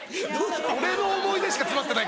俺の思い出しか詰まってないけど。